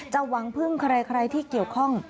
หวังพึ่งใครที่เกี่ยวข้อง